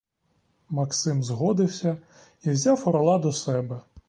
Максим згодився і взяв орла до себе.